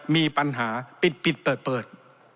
มีปัญหาปิดเปิด